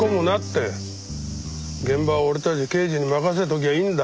現場は俺たち刑事に任せときゃいいんだ。